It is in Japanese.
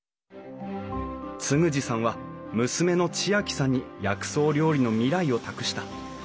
嗣二さんは娘の知亜季さんに薬草料理の未来を託した。